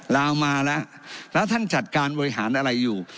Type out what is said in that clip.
ลาวมาแล้วแล้วท่านจัดการบริหารอะไรอยู่